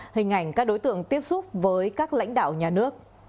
hình ảnh các đối tượng tiếp xúc với các lãnh đạo nhà nước